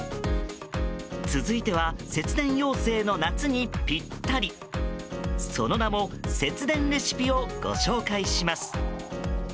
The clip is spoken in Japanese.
続いては節電要請の夏にぴったりその名も節電レシピをご紹介します。